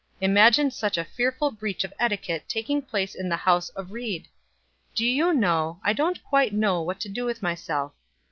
Imagine such a fearful breach of etiquette taking place in the house of Ried! Do you know, I don't quite know what to do with myself.